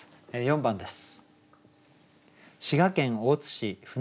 ４番です。